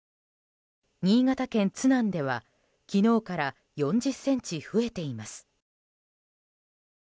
新潟県津南では昨日から４０ｃｍ増えています。